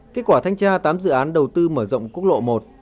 kết quả thanh tra tám dự án đầu tư mở rộng quốc lộ một